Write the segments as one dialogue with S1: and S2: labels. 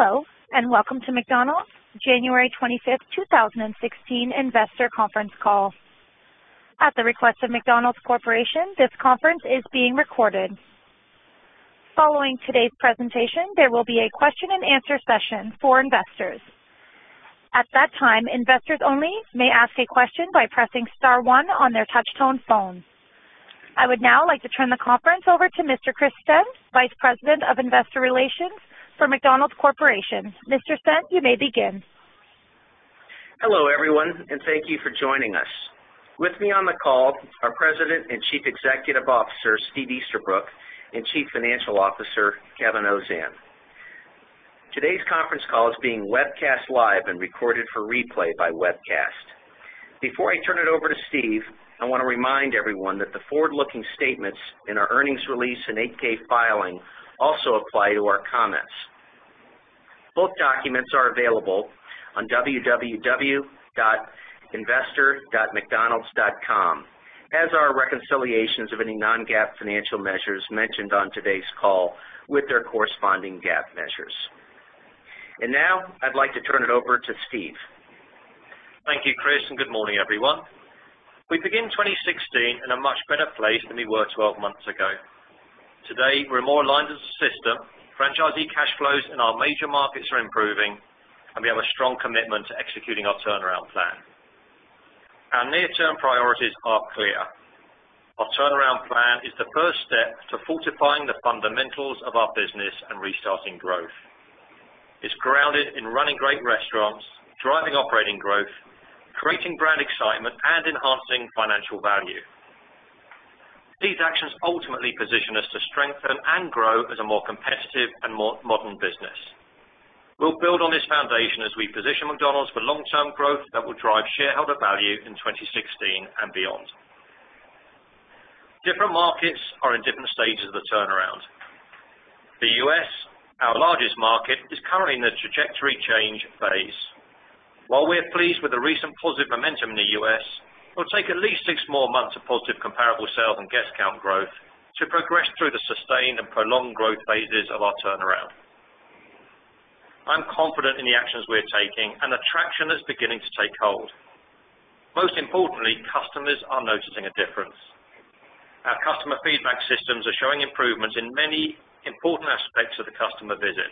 S1: Hello, and welcome to McDonald's January 25, 2016 investor conference call. At the request of McDonald's Corporation, this conference is being recorded. Following today's presentation, there will be a question and answer session for investors. At that time, investors only may ask a question by pressing star one on their touch-tone phone. I would now like to turn the conference over to Mr. Chris Stent, Vice President of Investor Relations for McDonald's Corporation. Mr. Stent, you may begin.
S2: Hello, everyone, thank you for joining us. With me on the call are President and Chief Executive Officer, Steve Easterbrook, and Chief Financial Officer, Kevin Ozan. Today's conference call is being webcast live and recorded for replay by webcast. Before I turn it over to Steve, I want to remind everyone that the forward-looking statements in our earnings release and 8-K filing also apply to our comments. Both documents are available on investor.mcdonalds.com, as are reconciliations of any non-GAAP financial measures mentioned on today's call with their corresponding GAAP measures. Now I'd like to turn it over to Steve.
S3: Thank you, Chris, good morning, everyone. We begin 2016 in a much better place than we were 12 months ago. Today, we're more aligned as a system, franchisee cash flows in our major markets are improving, and we have a strong commitment to executing our turnaround plan. Our near-term priorities are clear. Our turnaround plan is the first step to fortifying the fundamentals of our business and restarting growth. It's grounded in running great restaurants, driving operating growth, creating brand excitement, and enhancing financial value. These actions ultimately position us to strengthen and grow as a more competitive and more modern business. We'll build on this foundation as we position McDonald's for long-term growth that will drive shareholder value in 2016 and beyond. Different markets are in different stages of the turnaround. The U.S., our largest market, is currently in the trajectory change phase. While we're pleased with the recent positive momentum in the U.S., it'll take at least six more months of positive comparable sales and guest count growth to progress through the sustained and prolonged growth phases of our turnaround. I'm confident in the actions we're taking, the traction is beginning to take hold. Most importantly, customers are noticing a difference. Our customer feedback systems are showing improvements in many important aspects of the customer visit,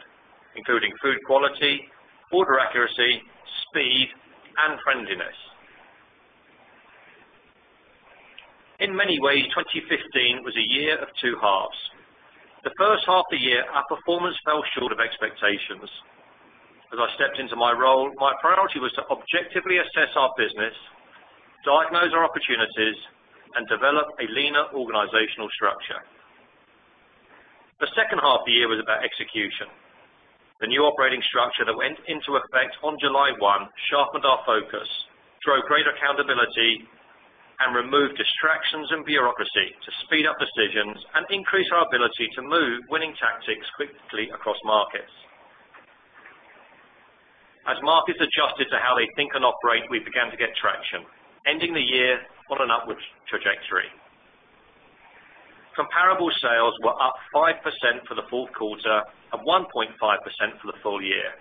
S3: including food quality, order accuracy, speed, and friendliness. In many ways, 2015 was a year of two halves. The first half of the year, our performance fell short of expectations. As I stepped into my role, my priority was to objectively assess our business, diagnose our opportunities, and develop a leaner organizational structure. The second half of the year was about execution. The new operating structure that went into effect on July 1 sharpened our focus, drove greater accountability, and removed distractions and bureaucracy to speed up decisions and increase our ability to move winning tactics quickly across markets. As markets adjusted to how they think and operate, we began to get traction, ending the year on an upwards trajectory. Comparable sales were up 5% for the fourth quarter and 1.5% for the full year.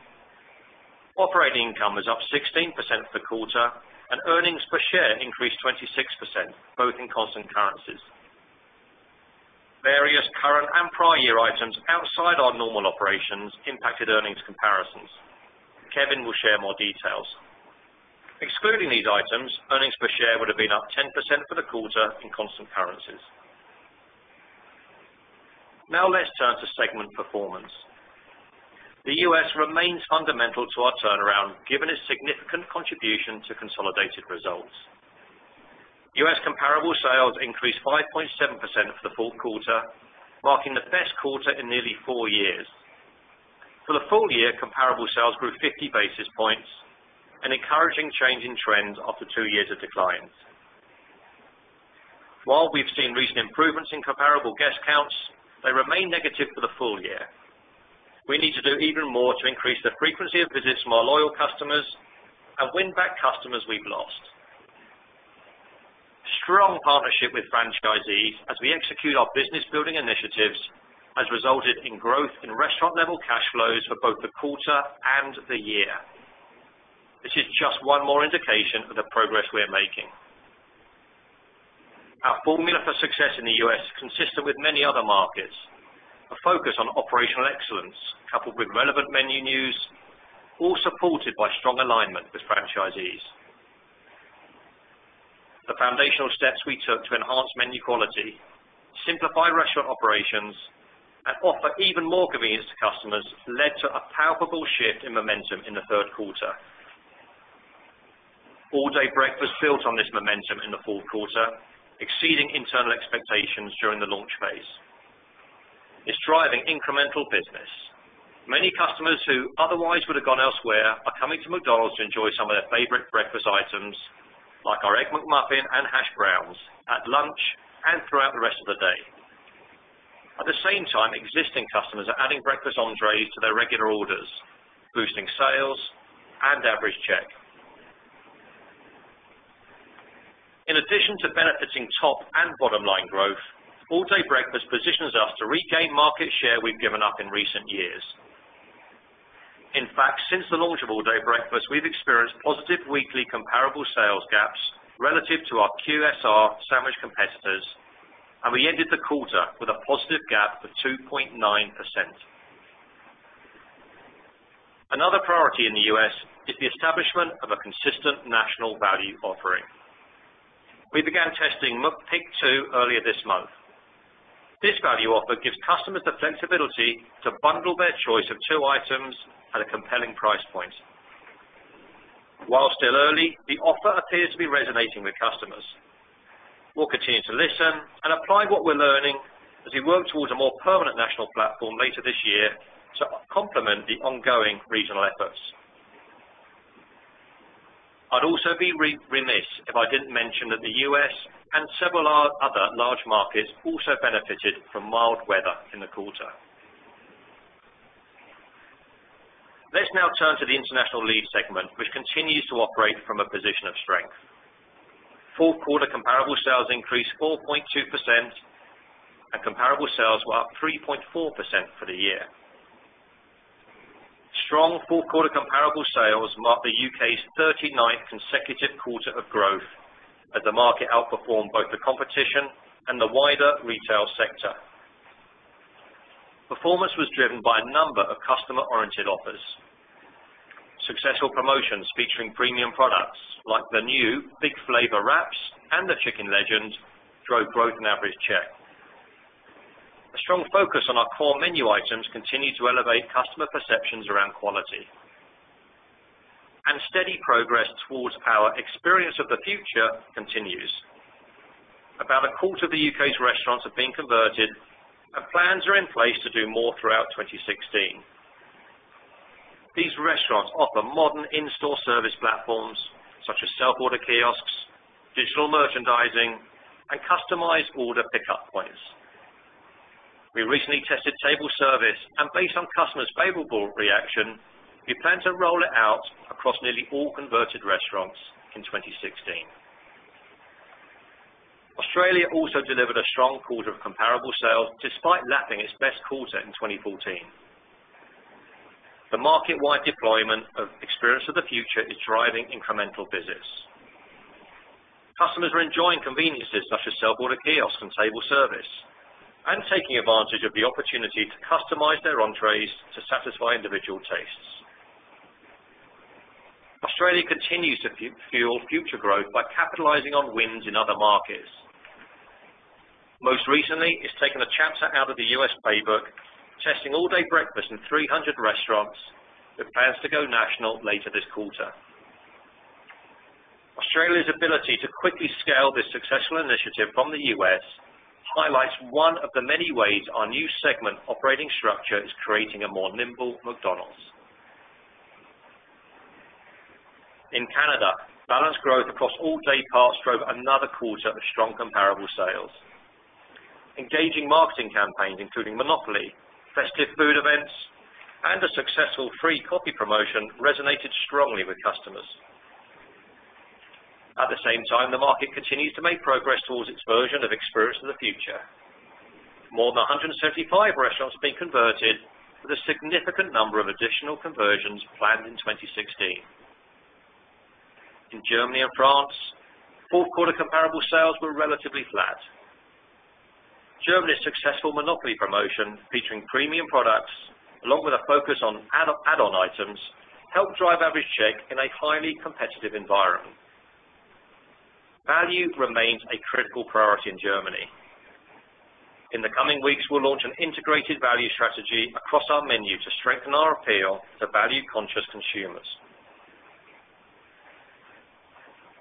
S3: Operating income was up 16% for the quarter, and earnings per share increased 26%, both in constant currencies. Various current and prior year items outside our normal operations impacted earnings comparisons. Kevin will share more details. Excluding these items, earnings per share would have been up 10% for the quarter in constant currencies. Now let's turn to segment performance. The U.S. remains fundamental to our turnaround, given its significant contribution to consolidated results. U.S. comparable sales increased 5.7% for the fourth quarter, marking the best quarter in nearly 4 years. For the full year, comparable sales grew 50 basis points, an encouraging change in trend after 2 years of declines. While we've seen recent improvements in comparable guest counts, they remain negative for the full year. We need to do even more to increase the frequency of visits from our loyal customers and win back customers we've lost. Strong partnership with franchisees as we execute our business-building initiatives has resulted in growth in restaurant-level cash flows for both the quarter and the year. This is just one more indication of the progress we are making. Our formula for success in the U.S. is consistent with many other markets. A focus on operational excellence, coupled with relevant menu news, all supported by strong alignment with franchisees. The foundational steps we took to enhance menu quality, simplify restaurant operations, and offer even more convenience to customers led to a palpable shift in momentum in the third quarter. All-day breakfast built on this momentum in the fourth quarter, exceeding internal expectations during the launch phase. It's driving incremental business. Many customers who otherwise would have gone elsewhere are coming to McDonald's to enjoy some of their favorite breakfast items, like our Egg McMuffin and Hash Browns, at lunch and throughout the rest of the day. At the same time, existing customers are adding breakfast entrees to their regular orders, boosting sales and average check. In addition to benefiting top and bottom-line growth, all-day breakfast positions us to regain market share we've given up in recent years. In fact, since the launch of all-day breakfast, we've experienced positive weekly comparable sales gaps relative to our QSR sandwich competitors, and we ended the quarter with a positive gap of 2.9%. Another priority in the U.S. is the establishment of a consistent national value offering. We began testing McPick 2 earlier this month. This value offer gives customers the flexibility to bundle their choice of two items at a compelling price point. While still early, the offer appears to be resonating with customers. We'll continue to listen and apply what we're learning as we work towards a more permanent national platform later this year to complement the ongoing regional efforts. I'd also be remiss if I didn't mention that the U.S. and several other large markets also benefited from mild weather in the quarter. Let's now turn to the International Lead Markets, which continues to operate from a position of strength. Fourth quarter comparable sales increased 4.2%. Comparable sales were up 3.4% for the year. Strong fourth quarter comparable sales mark the U.K.'s 39th consecutive quarter of growth, as the market outperformed both the competition and the wider retail sector. Performance was driven by a number of customer-oriented offers. Successful promotions featuring premium products like the new Big Flavour Wraps and the Chicken Legend drove growth and average check. A strong focus on our core menu items continued to elevate customer perceptions around quality, and steady progress towards our Experience of the Future continues. About a quarter of the U.K.'s restaurants have been converted, and plans are in place to do more throughout 2016. These restaurants offer modern in-store service platforms such as self-order kiosks, digital merchandising, and customized order pickup points. We recently tested table service, and based on customers' favorable reaction, we plan to roll it out across nearly all converted restaurants in 2016. Australia also delivered a strong quarter of comparable sales despite lapping its best quarter in 2014. The market-wide deployment of Experience of the Future is driving incremental business. Customers are enjoying conveniences such as self-order kiosks and table service and taking advantage of the opportunity to customize their entrees to satisfy individual tastes. Australia continues to fuel future growth by capitalizing on wins in other markets. Most recently, it's taken a chapter out of the U.S. playbook, testing all-day breakfast in 300 restaurants with plans to go national later this quarter. Australia's ability to quickly scale this successful initiative from the U.S. highlights one of the many ways our new segment operating structure is creating a more nimble McDonald's. In Canada, balanced growth across all-day parts drove another quarter of strong comparable sales. Engaging marketing campaigns, including Monopoly, festive food events, and a successful free coffee promotion resonated strongly with customers. At the same time, the market continues to make progress towards its version of Experience of the Future. More than 175 restaurants have been converted with a significant number of additional conversions planned in 2016. In Germany and France, fourth-quarter comparable sales were relatively flat. Germany's successful Monopoly promotion featuring premium products, along with a focus on add-on items, helped drive average check in a highly competitive environment. Value remains a critical priority in Germany. In the coming weeks, we'll launch an integrated value strategy across our menu to strengthen our appeal to value-conscious consumers.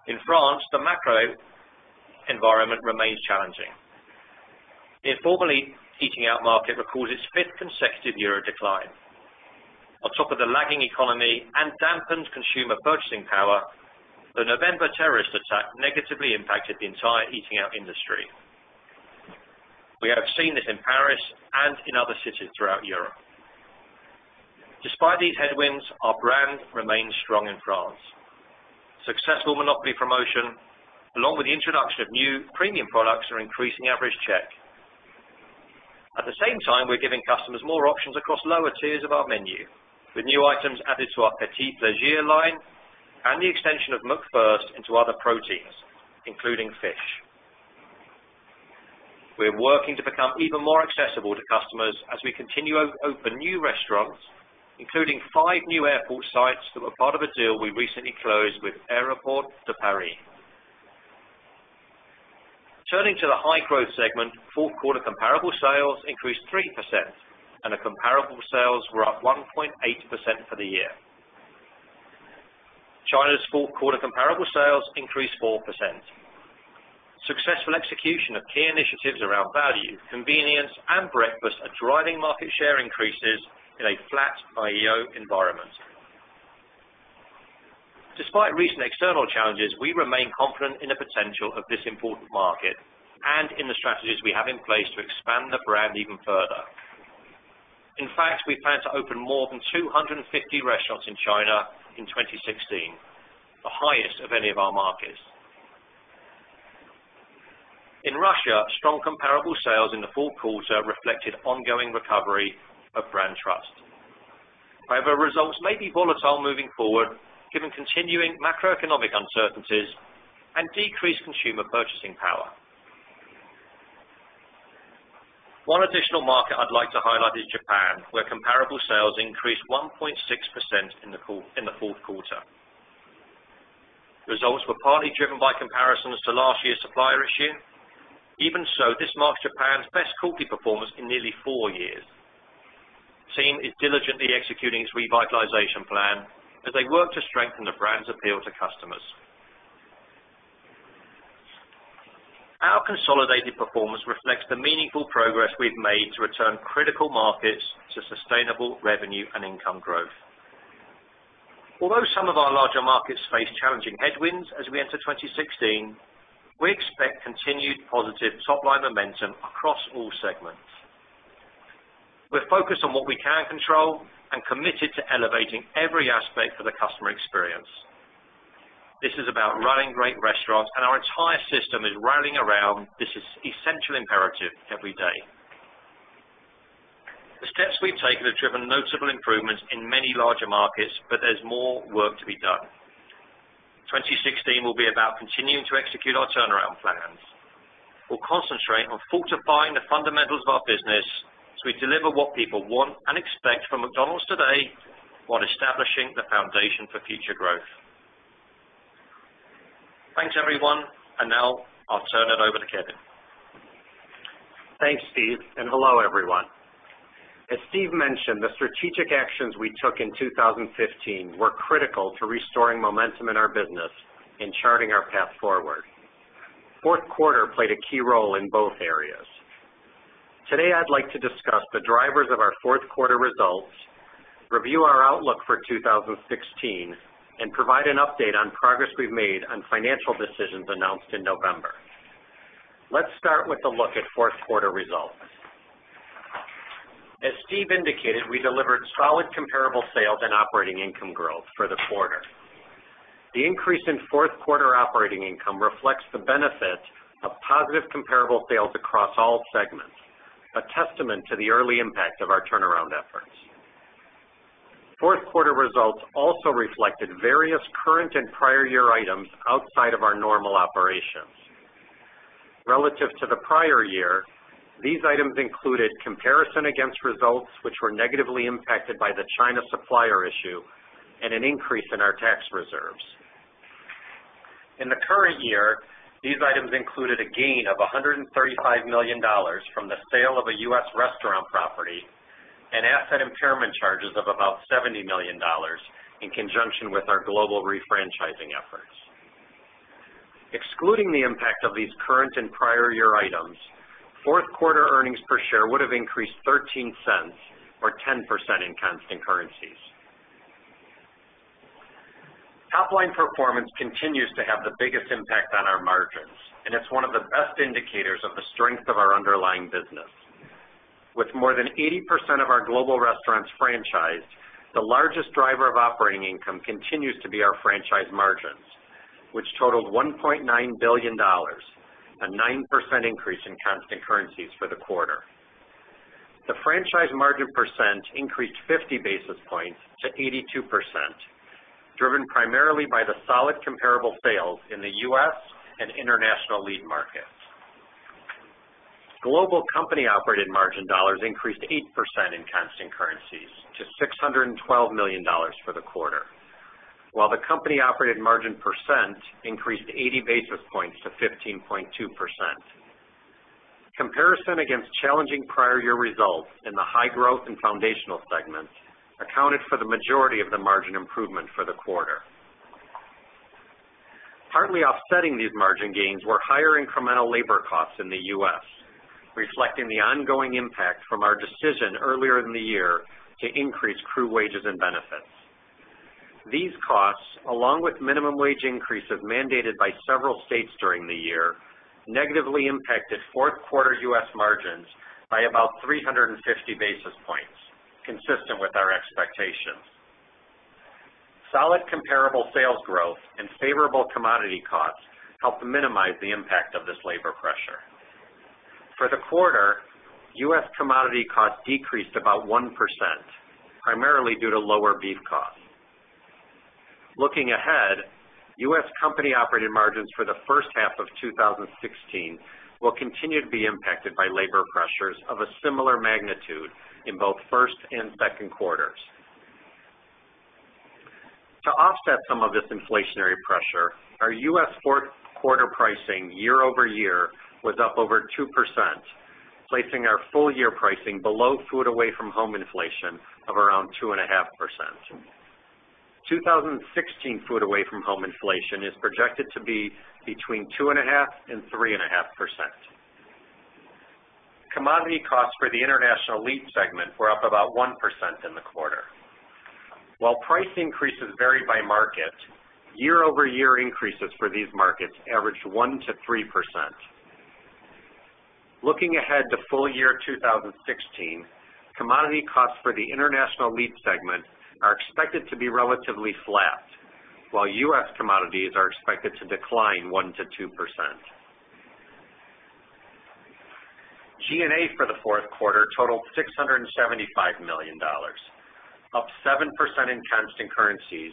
S3: In France, the macro environment remains challenging. The informally eating out market records its fifth consecutive year of decline. On top of the lagging economy and dampened consumer purchasing power, the November terrorist attack negatively impacted the entire eating-out industry. We have seen this in Paris and in other cities throughout Europe. Despite these headwinds, our brand remains strong in France. A successful Monopoly promotion, along with the introduction of new premium products, are increasing average check. At the same time, we're giving customers more options across lower tiers of our menu, with new items added to our P'tits Plaisirs line and the extension of McFirst into other proteins, including fish. We're working to become even more accessible to customers as we continue to open new restaurants, including five new airport sites that were part of a deal we recently closed with Aéroports de Paris. Turning to the High-Growth Markets, fourth-quarter comparable sales increased 3%. The comparable sales were up 1.8% for the year. China's fourth-quarter comparable sales increased 4%. Successful execution of key initiatives around value, convenience, and breakfast are driving market share increases in a flat IEO environment. Despite recent external challenges, we remain confident in the potential of this important market and in the strategies we have in place to expand the brand even further. In fact, we plan to open more than 250 restaurants in China in 2016, the highest of any of our markets. In Russia, strong comparable sales in the fourth quarter reflected ongoing recovery of brand trust. Results may be volatile moving forward given continuing macroeconomic uncertainties and decreased consumer purchasing power. One additional market I'd like to highlight is Japan, where comparable sales increased 1.6% in the fourth quarter. Results were partly driven by comparisons to last year's supplier issue. This marks Japan's best quarterly performance in nearly four years. Team is diligently executing its revitalization plan as they work to strengthen the brand's appeal to customers. Our consolidated performance reflects the meaningful progress we've made to return critical markets to sustainable revenue and income growth. Some of our larger markets face challenging headwinds as we enter 2016, we expect continued positive top-line momentum across all segments. We're focused on what we can control and committed to elevating every aspect of the customer experience. This is about running great restaurants. Our entire system is rallying around this essential imperative every day. The steps we've taken have driven notable improvements in many larger markets. There's more work to be done. 2016 will be about continuing to execute our turnaround plans. We'll concentrate on fortifying the fundamentals of our business so we deliver what people want and expect from McDonald's today, while establishing the foundation for future growth. Thanks, everyone. Now I'll turn it over to Kevin.
S4: Thanks, Steve. Hello, everyone. As Steve mentioned, the strategic actions we took in 2015 were critical to restoring momentum in our business in charting our path forward. Fourth quarter played a key role in both areas. Today, I'd like to discuss the drivers of our fourth quarter results, review our outlook for 2016, and provide an update on progress we've made on financial decisions announced in November. Let's start with a look at fourth quarter results. As Steve indicated, we delivered solid comparable sales and operating income growth for the quarter. The increase in fourth quarter operating income reflects the benefits of positive comparable sales across all segments, a testament to the early impact of our turnaround efforts. Fourth quarter results also reflected various current and prior year items outside of our normal operations. Relative to the prior year, these items included comparison against results, which were negatively impacted by the China supplier issue and an increase in our tax reserves. In the current year, these items included a gain of $135 million from the sale of a U.S. restaurant property and asset impairment charges of about $70 million in conjunction with our global refranchising efforts. Excluding the impact of these current and prior year items, fourth quarter earnings per share would have increased $0.13 or 10% in constant currencies. Top-line performance continues to have the biggest impact on our margins, and it's one of the best indicators of the strength of our underlying business. With more than 80% of our global restaurants franchised, the largest driver of operating income continues to be our franchise margins, which totaled $1.9 billion, a 9% increase in constant currencies for the quarter. The franchise margin percent increased 50 basis points to 82%, driven primarily by the solid comparable sales in the U.S. and International Lead Markets. Global company operated margin dollars increased 8% in constant currencies to $612 million for the quarter. While the company operated margin percent increased 80 basis points to 15.2%. Comparison against challenging prior year results in the High-Growth and Foundational Markets accounted for the majority of the margin improvement for the quarter. Partly offsetting these margin gains were higher incremental labor costs in the U.S., reflecting the ongoing impact from our decision earlier in the year to increase crew wages and benefits. These costs, along with minimum wage increase as mandated by several states during the year, negatively impacted fourth quarter U.S. margins by about 350 basis points, consistent with our expectations. Solid comparable sales growth and favorable commodity costs helped minimize the impact of this labor pressure. For the quarter, U.S. commodity costs decreased about 1%, primarily due to lower beef costs. Looking ahead, U.S. company operating margins for the first half of 2016 will continue to be impacted by labor pressures of a similar magnitude in both first and second quarters. To offset some of this inflationary pressure, our U.S. fourth quarter pricing year-over-year was up over 2%, placing our full year pricing below food away from home inflation of around 2.5%. 2016 food away from home inflation is projected to be between 2.5%-3.5%. Commodity costs for the International Lead Markets were up about 1% in the quarter. While price increases vary by market, year-over-year increases for these markets average 1%-3%. Looking ahead to full year 2016, commodity costs for the International Lead Markets are expected to be relatively flat, while U.S. commodities are expected to decline 1%-2%. G&A for the fourth quarter totaled $675 million, up 7% in constant currencies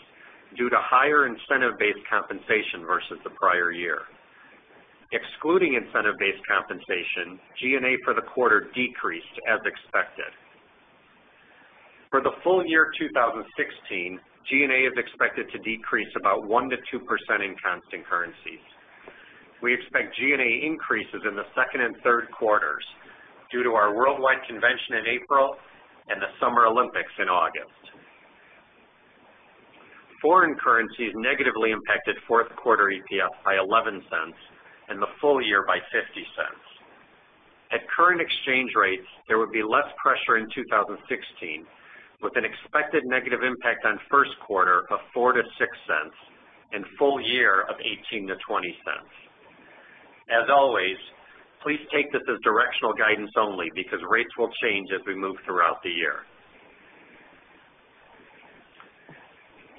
S4: due to higher incentive-based compensation versus the prior year. Excluding incentive-based compensation, G&A for the quarter decreased as expected. For the full year 2016, G&A is expected to decrease about 1%-2% in constant currencies. We expect G&A increases in the second and third quarters due to our worldwide convention in April and the Summer Olympics in August. Foreign currencies negatively impacted fourth quarter EPS by $0.11 and the full year by $0.50. At current exchange rates, there would be less pressure in 2016, with an expected negative impact on first quarter of $0.04-$0.06 and full year of $0.18-$0.20. As always, please take this as directional guidance only because rates will change as we move throughout the year.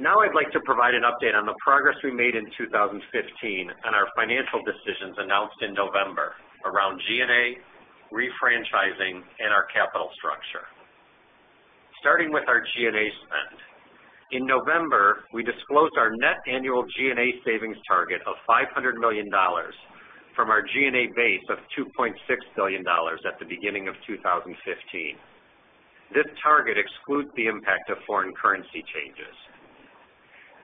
S4: I'd like to provide an update on the progress we made in 2015 and our financial decisions announced in November around G&A, refranchising, and our capital structure. Starting with our G&A spend. In November, we disclosed our net annual G&A savings target of $500 million from our G&A base of $2.6 billion at the beginning of 2015. This target excludes the impact of foreign currency changes.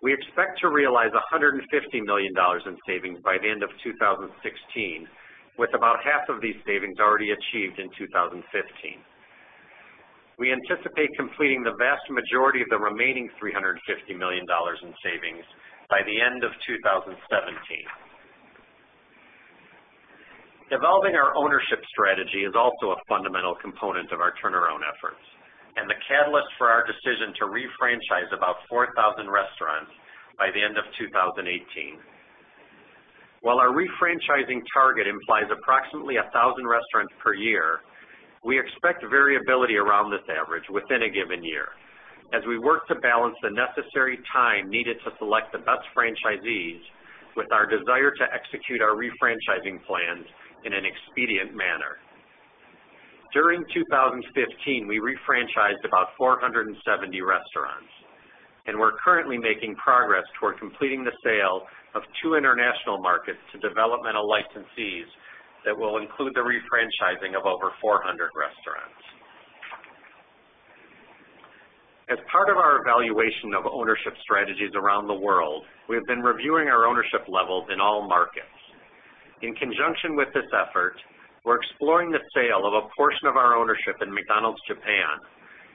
S4: We expect to realize $150 million in savings by the end of 2016, with about half of these savings already achieved in 2015. We anticipate completing the vast majority of the remaining $350 million in savings by the end of 2017. Developing our ownership strategy is also a fundamental component of our turnaround efforts and the catalyst for our decision to refranchise about 4,000 restaurants by the end of 2018. While our refranchising target implies approximately 1,000 restaurants per year, we expect variability around this average within a given year as we work to balance the necessary time needed to select the best franchisees with our desire to execute our refranchising plans in an expedient manner. During 2015, we refranchised about 470 restaurants, and we're currently making progress toward completing the sale of two international markets to developmental licensees that will include the refranchising of over 400 restaurants. As part of our evaluation of ownership strategies around the world, we have been reviewing our ownership levels in all markets. In conjunction with this effort, we're exploring the sale of a portion of our ownership in McDonald's Japan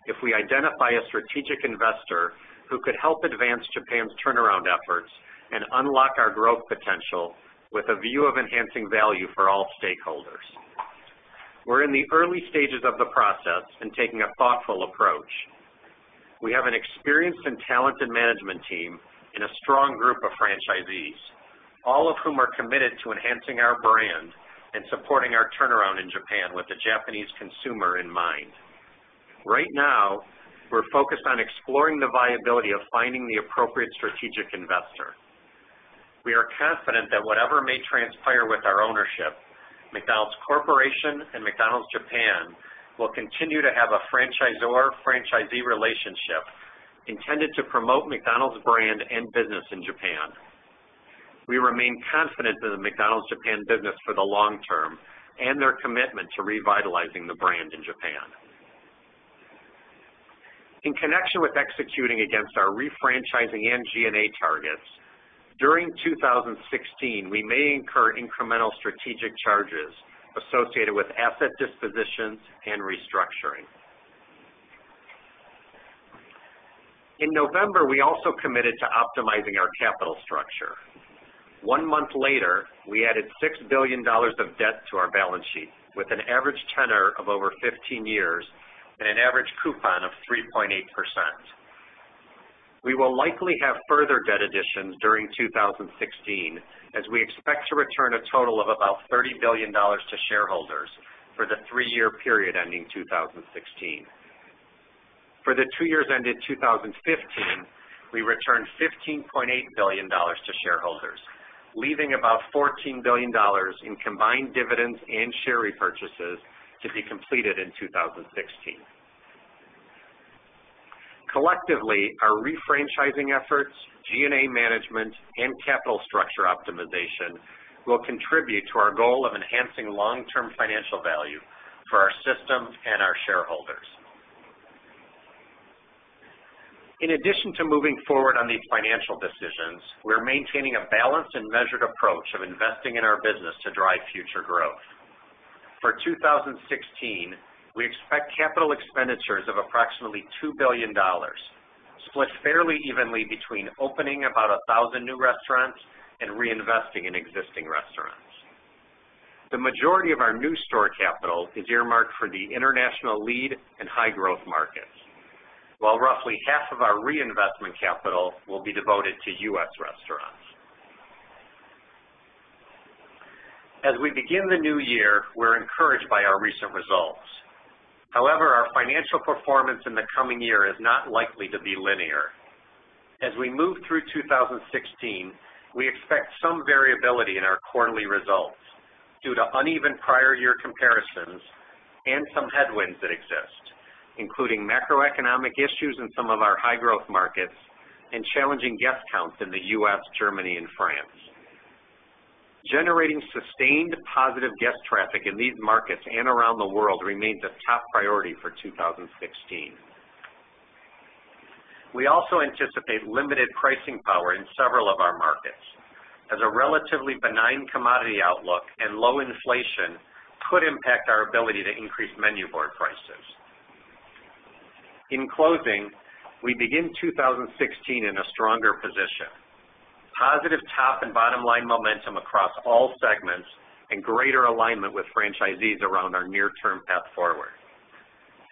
S4: if we identify a strategic investor who could help advance Japan's turnaround efforts and unlock our growth potential with a view of enhancing value for all stakeholders. We're in the early stages of the process and taking a thoughtful approach. We have an experienced and talented management team and a strong group of franchisees, all of whom are committed to enhancing our brand and supporting our turnaround in Japan with the Japanese consumer in mind. Right now, we're focused on exploring the viability of finding the appropriate strategic investor. We are confident that whatever may transpire with our ownership, McDonald's Corporation and McDonald's Japan will continue to have a franchisor-franchisee relationship intended to promote McDonald's brand and business in Japan. We remain confident in the McDonald's Japan business for the long term and their commitment to revitalizing the brand in Japan. In connection with executing against our refranchising and G&A targets, during 2016, we may incur incremental strategic charges associated with asset dispositions and restructuring. In November, we also committed to optimizing our capital structure. One month later, we added $6 billion of debt to our balance sheet with an average tenor of over 15 years and an average coupon of 3.8%. We will likely have further debt additions during 2016 as we expect to return a total of about $30 billion to shareholders for the three-year period ending 2016. For the two years ended 2015, we returned $15.8 billion to shareholders, leaving about $14 billion in combined dividends and share repurchases to be completed in 2016. Collectively, our refranchising efforts, G&A management, and capital structure optimization will contribute to our goal of enhancing long-term financial value for our system and our shareholders. In addition to moving forward on these financial decisions, we're maintaining a balanced and measured approach of investing in our business to drive future growth. For 2016, we expect capital expenditures of approximately $2 billion, split fairly evenly between opening about 1,000 new restaurants and reinvesting in existing restaurants. The majority of our new store capital is earmarked for the International Lead Markets and High-Growth Markets, while roughly half of our reinvestment capital will be devoted to U.S. restaurants. As we begin the new year, we're encouraged by our recent results. Our financial performance in the coming year is not likely to be linear. As we move through 2016, we expect some variability in our quarterly results due to uneven prior year comparisons and some headwinds that exist, including macroeconomic issues in some of our High-Growth Markets and challenging guest counts in the U.S., Germany, and France. Generating sustained positive guest traffic in these markets and around the world remains a top priority for 2016. We also anticipate limited pricing power in several of our markets, as a relatively benign commodity outlook and low inflation could impact our ability to increase menu board prices. We begin 2016 in a stronger position. Positive top and bottom-line momentum across all segments and greater alignment with franchisees around our near-term path forward.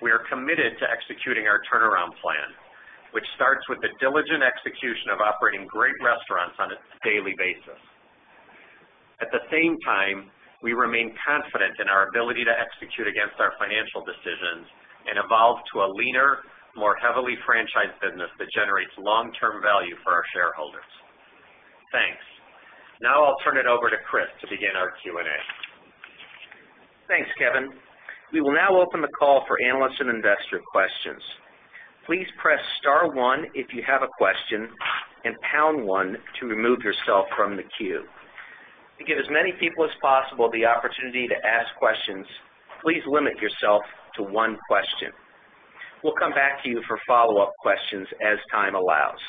S4: We are committed to executing our turnaround plan, which starts with the diligent execution of operating great restaurants on a daily basis. At the same time, we remain confident in our ability to execute against our financial decisions and evolve to a leaner, more heavily franchised business that generates long-term value for our shareholders. Thanks. Now I'll turn it over to Chris to begin our Q&A. Thanks, Kevin. We will now open the call for analyst and investor questions. Please press *1 if you have a question and #1 to remove yourself from the queue. To give as many people as possible the opportunity to ask questions, please limit yourself to one question. We'll come back to you for follow-up questions as time allows.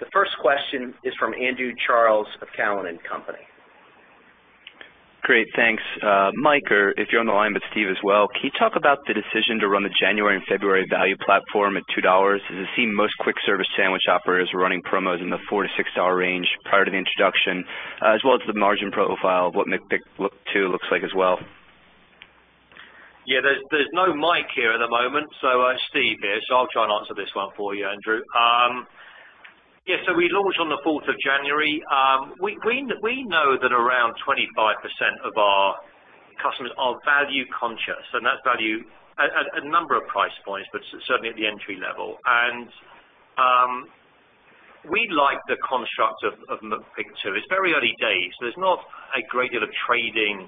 S4: The first question is from Andrew Charles of Cowen and Company.
S5: Great, thanks. Mike, or if you're on the line with Steve as well, can you talk about the decision to run the January and February value platform at $2? As I see most quick service sandwich operators running promos in the $4 to $6 range prior to the introduction, as well as the margin profile of what McPick 2 looks like as well.
S3: Yeah, there's no Mike here at the moment, Steve here. I'll try and answer this one for you, Andrew Charles. We launched on the 4th of January. We know that around 25% of our customers are value-conscious, and that's value at a number of price points, but certainly at the entry level. We like the construct of McPick 2. It's very early days. There's not a great deal of trading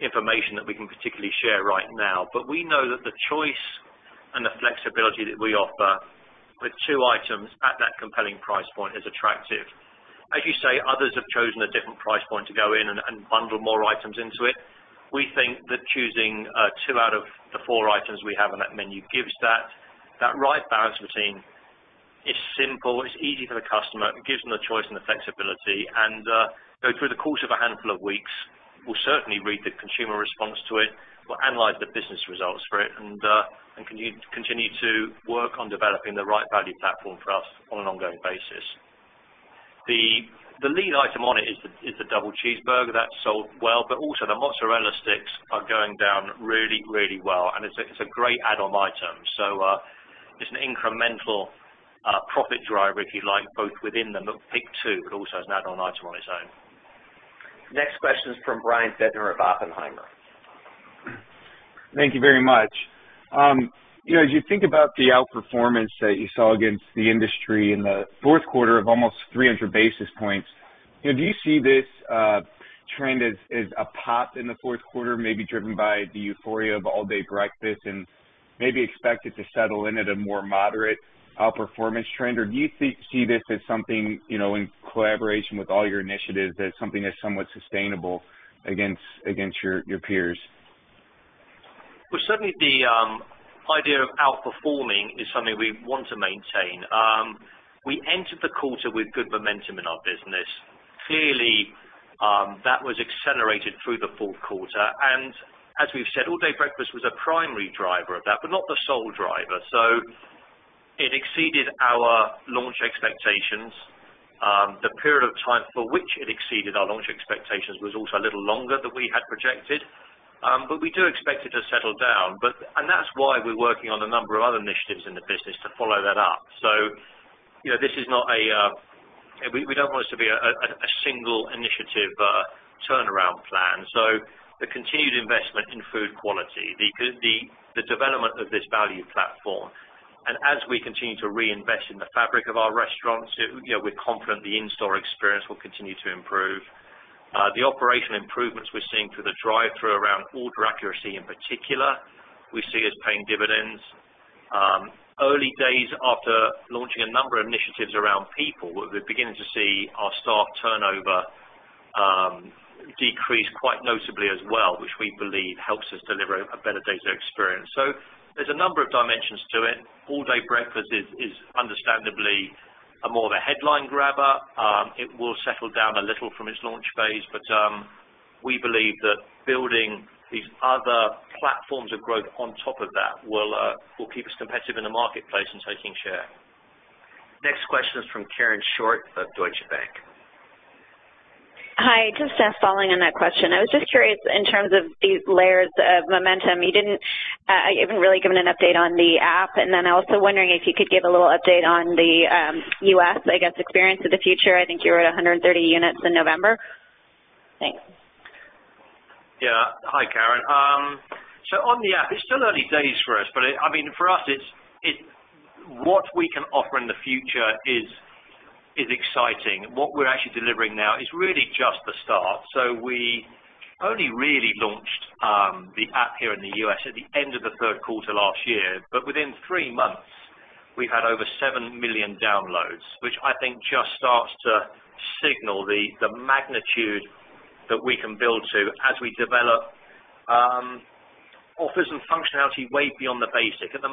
S3: information that we can particularly share right now. We know that the choice and the flexibility that we offer with two items at that compelling price point is attractive. As you say, others have chosen a different price point to go in and bundle more items into it. We think that choosing two out of the four items we have on that menu gives that right balance between it's simple, it's easy for the customer, it gives them the choice and the flexibility. Through the course of a handful of weeks, we'll certainly read the consumer response to it. We'll analyze the business results for it and continue to work on developing the right value platform for us on an ongoing basis. The lead item on it is the Double Cheeseburger. That sold well, but also the Mozzarella Sticks are going down really, really well, and it's a great add-on item. It's an incremental profit driver, if you like, both within the McPick 2, but also as an add-on item on its own.
S4: Next question is from Brian Harbour of Oppenheimer.
S6: Thank you very much. As you think about the outperformance that you saw against the industry in the fourth quarter of almost 300 basis points, do you see this trend as a pop in the fourth quarter, maybe driven by the euphoria of All-Day Breakfast and maybe expect it to settle in at a more moderate outperformance trend? Do you see this as something, in collaboration with all your initiatives, as something that's somewhat sustainable against your peers?
S3: Certainly the idea of outperforming is something we want to maintain. We entered the quarter with good momentum in our business. That was accelerated through the fourth quarter, and as we've said, All-Day Breakfast was a primary driver of that, but not the sole driver. It exceeded our launch expectations. The period of time for which it exceeded our launch expectations was also a little longer than we had projected. We do expect it to settle down. That's why we're working on a number of other initiatives in the business to follow that up. We don't want this to be a single initiative turnaround plan. The continued investment in food quality, the development of this value platform, and as we continue to reinvest in the fabric of our restaurants, we're confident the in-store experience will continue to improve. The operational improvements we're seeing through the drive-thru around order accuracy in particular, we see as paying dividends. Early days after launching a number of initiatives around people, we're beginning to see our staff turnover decrease quite noticeably as well, which we believe helps us deliver a better day-to-day experience. There's a number of dimensions to it. All-Day Breakfast is understandably more of a headline grabber. It will settle down a little from its launch phase, but we believe that building these other platforms of growth on top of that will keep us competitive in the marketplace and taking share.
S2: Next question is from Karen Short of Deutsche Bank.
S7: Hi. Just following on that question. I was just curious in terms of these layers of momentum, you haven't really given an update on the app, I was also wondering if you could give a little update on the U.S., I guess, Experience of the Future. I think you were at 130 units in November. Thanks.
S3: Hi, Karen. On the app, it's still early days for us, but for us, what we can offer in the future is exciting. What we're actually delivering now is really just the start. We only really launched the app here in the U.S. at the end of the third quarter last year. Within three months, we've had over seven million downloads, which I think just starts to signal the magnitude that we can build to as we develop offers and functionality way beyond the basic. At the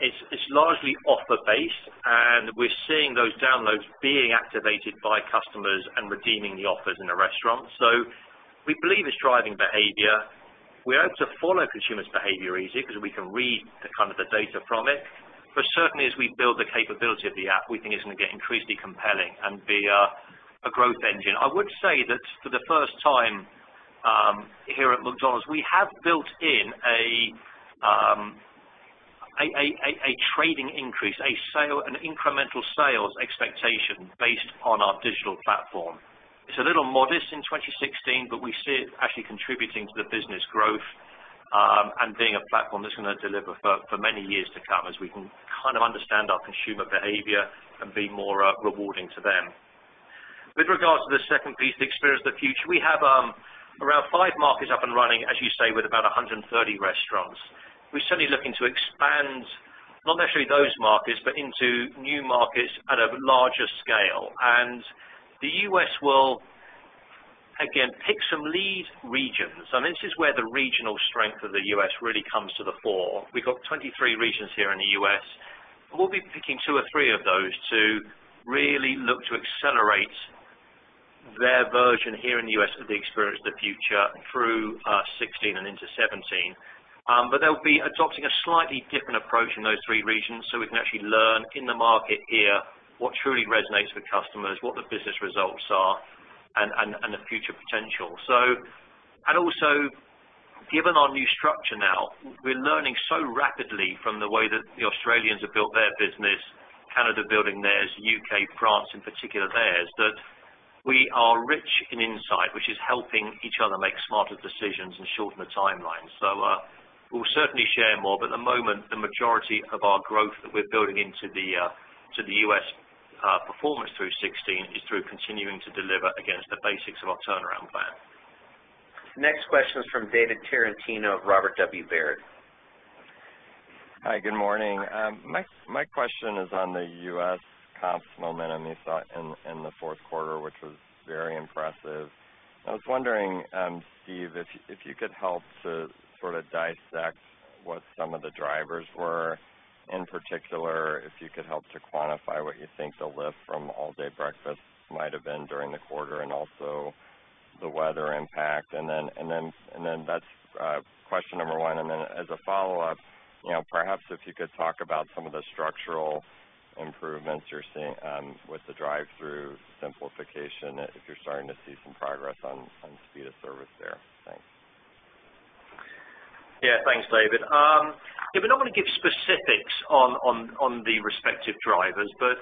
S3: moment, it's largely offer-based, and we're seeing those downloads being activated by customers and redeeming the offers in a restaurant. We believe it's driving behavior. We hope to follow consumers' behavior easier because we can read the data from it. Certainly as we build the capability of the app, we think it's going to get increasingly compelling and be a growth engine. I would say that for the first time here at McDonald's, we have built in a trading increase, an incremental sales expectation based on our digital platform. It's a little modest in 2016, but we see it actually contributing to the business growth and being a platform that's going to deliver for many years to come as we can kind of understand our consumer behavior and be more rewarding to them. With regards to the second piece, Experience of the Future, we have around five markets up and running, as you say, with about 130 restaurants. We're certainly looking to expand, not necessarily those markets, but into new markets at a larger scale. The U.S. will again pick some lead regions. This is where the regional strength of the U.S. really comes to the fore. We've got 23 regions here in the U.S., and we'll be picking two or three of those to really look to accelerate their version here in the U.S. of the Experience of the Future through 2016 and into 2017. They'll be adopting a slightly different approach in those three regions so we can actually learn in the market here what truly resonates with customers, what the business results are, and the future potential. Also, given our new structure now, we're learning so rapidly from the way that the Australians have built their business, Canada building theirs, U.K., France in particular theirs, that we are rich in insight, which is helping each other make smarter decisions and shorten the timeline. We'll certainly share more, but at the moment, the majority of our growth that we're building into the U.S. performance through 2016 is through continuing to deliver against the basics of our turnaround plan.
S2: Next question is from David Tarantino of Robert W. Baird.
S8: Hi, good morning. My question is on the U.S. comps momentum you saw in the fourth quarter, which was very impressive. I was wondering, Steve, if you could help to sort of dissect what some of the drivers were. In particular, if you could help to quantify what you think the lift from All-Day Breakfast might have been during the quarter, and also the weather impact. That's question number one, then as a follow-up, perhaps if you could talk about some of the structural improvements you're seeing with the drive-thru simplification, if you're starting to see some progress on speed of service there. Thanks.
S3: Thanks, David. We're not going to give specifics on the respective drivers, but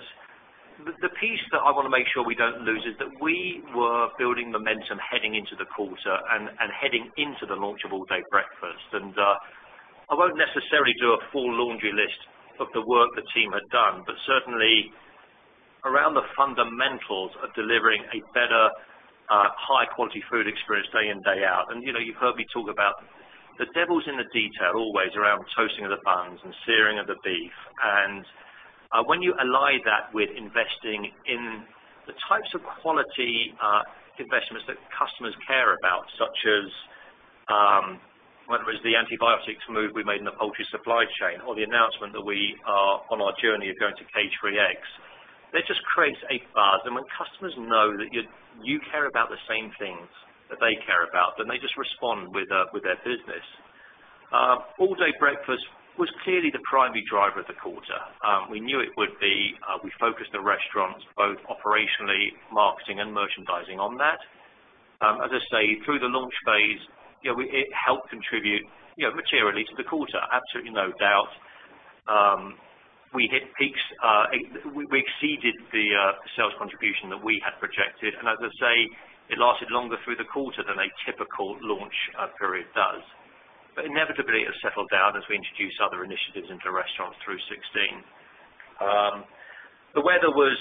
S3: the piece that I want to make sure we don't lose is that we were building momentum heading into the quarter and heading into the launch of All-Day Breakfast. I won't necessarily do a full laundry list of the work the team had done, but certainly around the fundamentals of delivering a better, high-quality food experience day in, day out. You've heard me talk about the devil's in the detail always around toasting of the buns and searing of the beef. When you ally that with investing in the types of quality investments that customers care about, such as, whether it's the antibiotics move we made in the poultry supply chain or the announcement that we are on our journey of going to Cage-Free Eggs, that just creates a buzz. When customers know that you care about the same things that they care about, then they just respond with their business. All-Day Breakfast was clearly the primary driver of the quarter. We knew it would be. We focused the restaurants both operationally, marketing, and merchandising on that. As I say, through the launch phase, it helped contribute materially to the quarter. Absolutely, no doubt. We exceeded the sales contribution that we had projected. As I say, it lasted longer through the quarter than a typical launch period does. Inevitably, it has settled down as we introduce other initiatives into restaurants through 2016. The weather was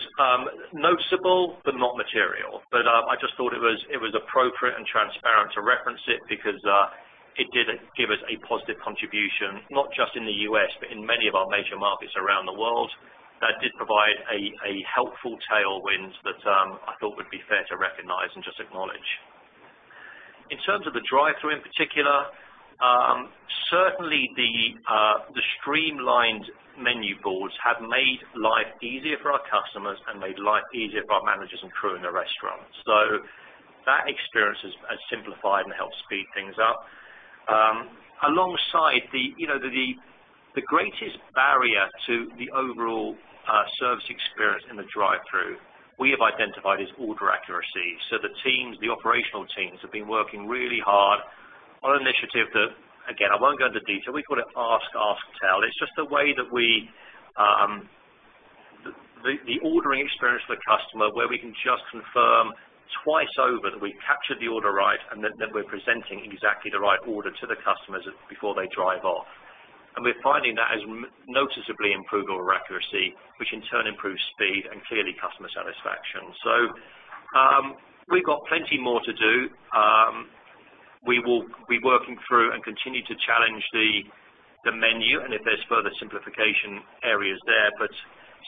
S3: noticeable but not material, I just thought it was appropriate and transparent to reference it because it did give us a positive contribution, not just in the U.S., but in many of our major markets around the world, that did provide a helpful tailwind that I thought would be fair to recognize and just acknowledge. In terms of the drive-thru in particular, certainly the streamlined menu boards have made life easier for our customers and made life easier for our managers and crew in the restaurants. That experience has simplified and helped speed things up. Alongside, the greatest barrier to the overall service experience in the drive-thru we have identified is order accuracy. The teams, the operational teams, have been working really hard on an initiative that, again, I won't go into detail, we call it Ask, Tell. It's just a way that the ordering experience for the customer where we can just confirm twice over that we captured the order right and that we're presenting exactly the right order to the customers before they drive off. We're finding that has noticeably improved order accuracy, which in turn improves speed and clearly customer satisfaction. We've got plenty more to do. We will be working through and continue to challenge the menu and if there's further simplification areas there.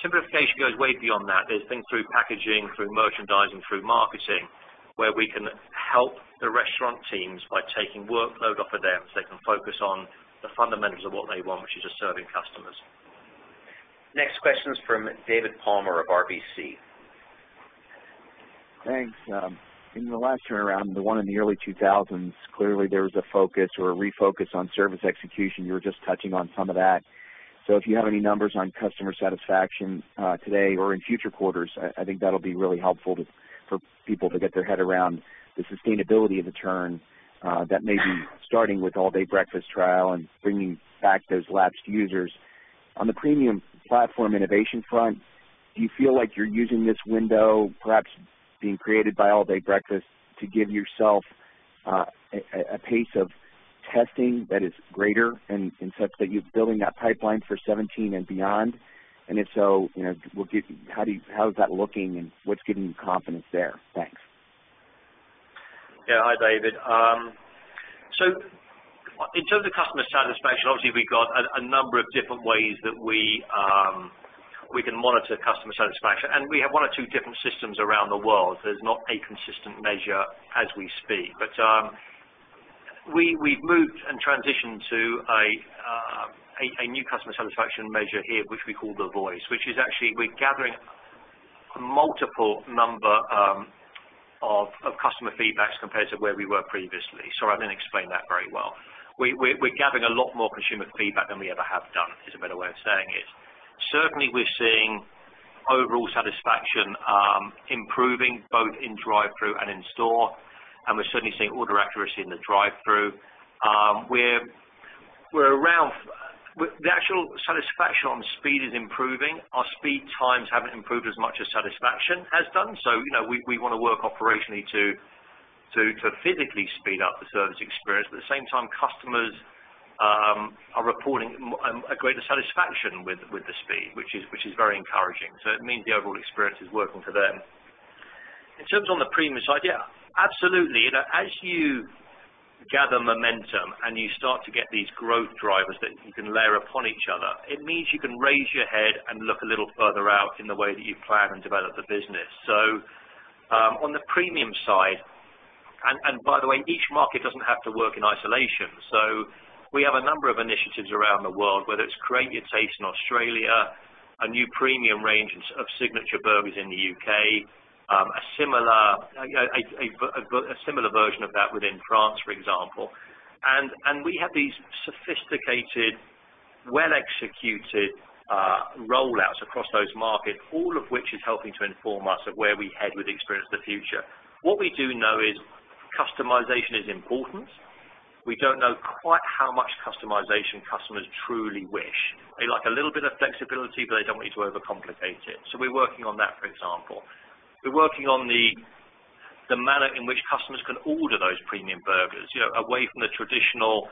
S3: Simplification goes way beyond that. There's things through packaging, through merchandising, through marketing, where we can help the restaurant teams by taking workload off of them so they can focus on the fundamentals of what they want, which is just serving customers.
S2: Next question is from David Palmer of RBC.
S9: Thanks. In the last turnaround, the one in the early 2000s, clearly there was a focus or a refocus on service execution. You were just touching on some of that. If you have any numbers on customer satisfaction today or in future quarters, I think that'll be really helpful for people to get their head around the sustainability of the turn that may be starting with All-day Breakfast trial and bringing back those lapsed users. On the premium platform innovation front, do you feel like you're using this window perhaps being created by All-day Breakfast to give yourself a pace of testing that is greater in such that you're building that pipeline for 2017 and beyond? If so, how is that looking and what's giving you confidence there? Thanks.
S3: Yeah. Hi, David. In terms of customer satisfaction, obviously we've got a number of different ways that we can monitor customer satisfaction, and we have one or two different systems around the world. There's not a consistent measure as we speak. We've moved and transitioned to a new customer satisfaction measure here, which we call the Voice. Which is actually we're gathering a multiple number of customer feedbacks compared to where we were previously. Sorry, I didn't explain that very well. We're gathering a lot more consumer feedback than we ever have done, is a better way of saying it. Certainly, we're seeing overall satisfaction improving both in drive-thru and in store, and we're certainly seeing order accuracy in the drive-thru. The actual satisfaction on speed is improving. Our speed times haven't improved as much as satisfaction has done, so we want to work operationally to physically speed up the service experience. At the same time, customers are reporting a greater satisfaction with the speed, which is very encouraging. It means the overall experience is working for them. In terms on the premise idea. Absolutely. As you gather momentum and you start to get these growth drivers that you can layer upon each other, it means you can raise your head and look a little further out in the way that you plan and develop the business. On the premium side. By the way, each market doesn't have to work in isolation. We have a number of initiatives around the world, whether it's Create Your Taste in Australia, a new premium range of signature burgers in the U.K., a similar version of that within France, for example. We have these sophisticated, well-executed rollouts across those markets, all of which is helping to inform us of where we head with Experience of the Future. What we do know is customization is important. We don't know quite how much customization customers truly wish. They like a little bit of flexibility, but they don't want you to overcomplicate it. We're working on that, for example. We're working on the manner in which customers can order those premium burgers, away from the traditional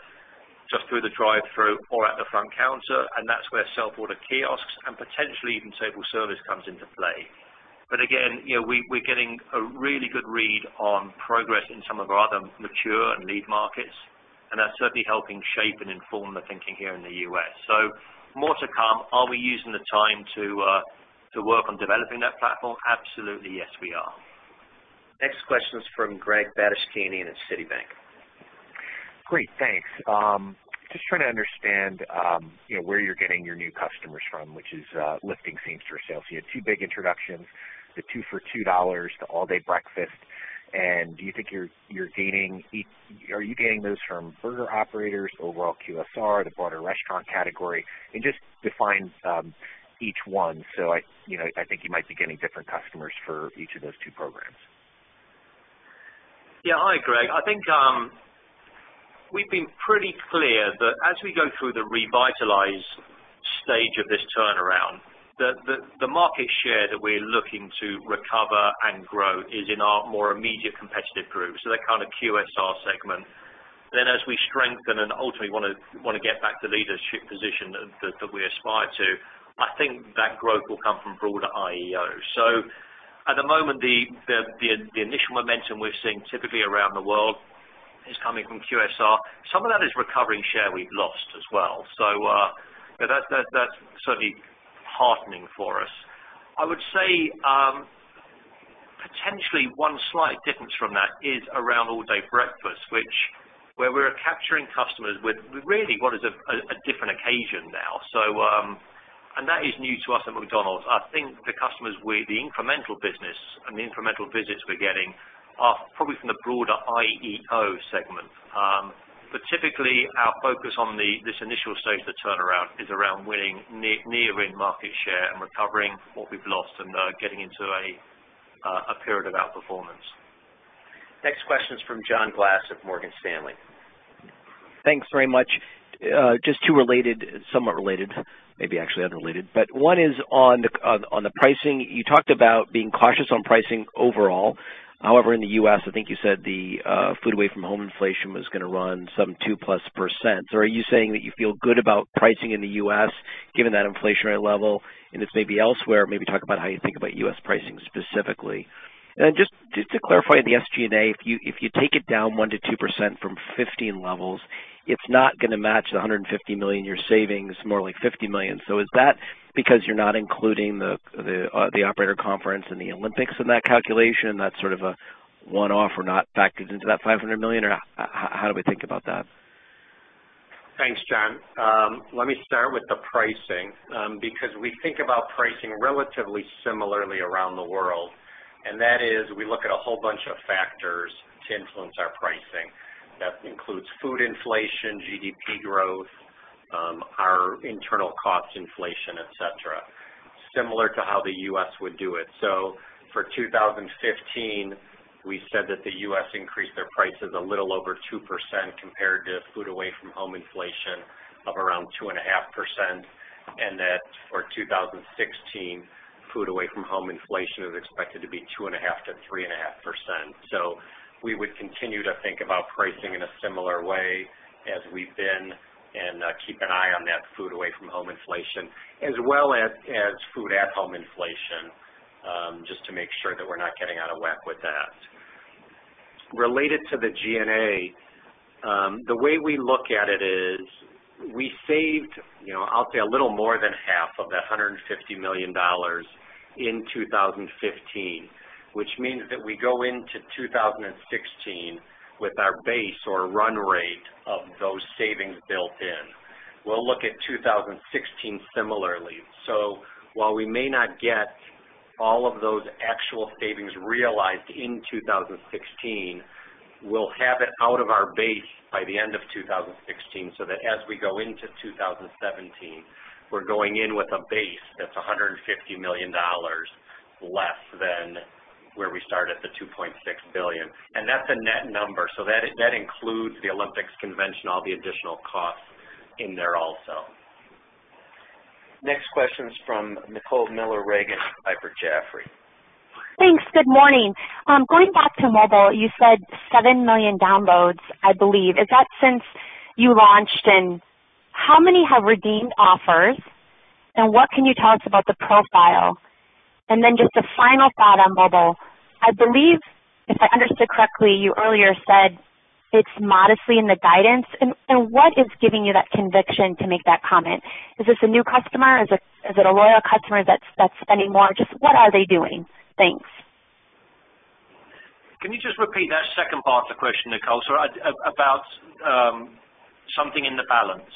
S3: just through the drive-thru or at the front counter, and that's where self-order kiosks and potentially even table service comes into play. Again, we're getting a really good read on progress in some of our other mature and lead markets, and that's certainly helping shape and inform the thinking here in the U.S. More to come. Are we using the time to work on developing that platform? Absolutely, yes, we are.
S2: Next question is from Gregory Francfort at Citi.
S10: Great, thanks. Just trying to understand where you're getting your new customers from, which is lifting same-store sales. You had two big introductions, the two for $2, the All-Day Breakfast. Do you think you're gaining those from burger operators, overall QSR, the broader restaurant category? Just define each one so I think you might be getting different customers for each of those two programs.
S3: Yeah. Hi, Greg. I think we've been pretty clear that as we go through the revitalize stage of this turnaround, that the market share that we're looking to recover and grow is in our more immediate competitive group. That kind of QSR segment. As we strengthen and ultimately want to get back to leadership position that we aspire to, I think that growth will come from broader IEO. At the moment, the initial momentum we're seeing typically around the world is coming from QSR. Some of that is recovering share we've lost as well, so that's certainly heartening for us. Potentially one slight difference from that is around All-Day Breakfast, where we're capturing customers with really what is a different occasion now. That is new to us at McDonald's. I think the customers with the incremental business and the incremental visits we're getting are probably from the broader IEO segment. Typically, our focus on this initial stage of the turnaround is around winning near in-market share and recovering what we've lost and getting into a period of outperformance.
S2: Next question is from John Glass of Morgan Stanley.
S11: Thanks very much. Just two somewhat related, maybe actually unrelated, one is on the pricing. You talked about being cautious on pricing overall. However, in the U.S., I think you said the food away from home inflation was going to run some 2%+. Are you saying that you feel good about pricing in the U.S. given that inflationary level? If maybe elsewhere, maybe talk about how you think about U.S. pricing specifically. Just to clarify the SG&A, if you take it down 1%-2% from 2015 levels, it's not going to match the $150 million. Your savings is more like $50 million. Is that because you're not including the operator conference and the Olympics in that calculation, and that's sort of a one-off or not factored into that $500 million, or how do we think about that?
S4: Thanks, John. Let me start with the pricing, because we think about pricing relatively similarly around the world, that is, we look at a whole bunch of factors to influence our pricing. That includes food inflation, GDP growth, our internal cost inflation, et cetera, similar to how the U.S. would do it. For 2015, we said that the U.S. increased their prices a little over 2% compared to food away from home inflation of around 2.5%, that for 2016, food away from home inflation is expected to be 2.5%-3.5%. We would continue to think about pricing in a similar way as we've been and keep an eye on that food away from home inflation, as well as food at home inflation, just to make sure that we're not getting out of whack with that. Related to the G&A, the way we look at it is we saved, I'll say, a little more than half of that $150 million in 2015, which means that we go into 2016 with our base or run rate of those savings built in. We'll look at 2016 similarly. While we may not get all of those actual savings realized in 2016, we'll have it out of our base by the end of 2016, so that as we go into 2017, we're going in with a base that's $150 million less than where we started, the $2.6 billion. That's a net number. That includes the Olympics convention, all the additional costs in there also. Next question is from Nicole Miller Regan of Piper Jaffray.
S12: Thanks. Good morning. Going back to mobile, you said 7 million downloads, I believe. Is that since you launched? How many have redeemed offers? What can you tell us about the profile? Then just a final thought on mobile. I believe, if I understood correctly, you earlier said it's modestly in the guidance. What is giving you that conviction to make that comment? Is this a new customer? Is it a loyal customer that's spending more? Just what are they doing? Thanks.
S3: Can you just repeat that second part of the question, Nicole? Sorry, about something in the balance.